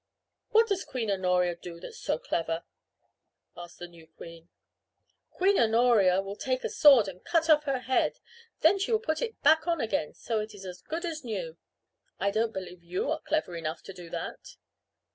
"What does Queen Honoria do that is so clever?" asked the new queen. "Queen Honoria will take a sword and cut off her head. Then she will put it back on again so that it is as good as new. I don't believe you are clever enough to do that."